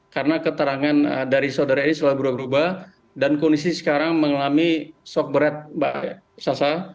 karena keterangan dari saudari e ini sudah berubah ubah dan kondisi sekarang mengalami sok berat mbak sasa